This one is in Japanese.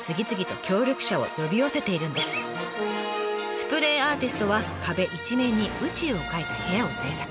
スプレーアーティストは壁一面に宇宙を描いた部屋を制作。